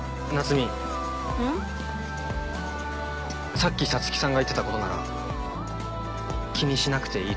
さっき皐月さんが言ってたことなら気にしなくていいと思う。